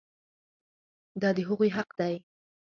دا د هغوی حق دی.